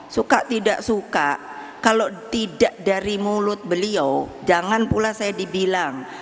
suka tidak suka kalau tidak dari mulut beliau jangan pula saya dibilang